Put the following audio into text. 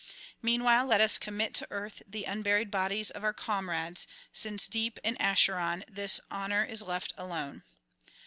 [22 58]Meanwhile let us commit to earth the unburied bodies of our comrades, since deep in Acheron this honour is left alone.